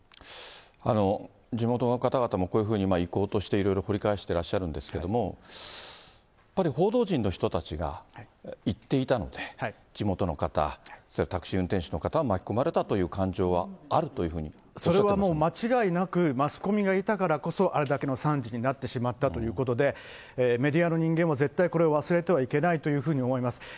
地元の方々も、こういうふうに遺構としていろいろ掘り返していらっしゃるんですけれども、やっぱり報道陣の人たちが行っていたので、地元の方、それからタクシー運転手の方が巻き込まれたという感情があるといそれはもう間違いなく、マスコミがいたからこそ、あれだけの惨事になってしまったということで、メディアの人間は、絶対これを忘れてはいけないというふうに思います。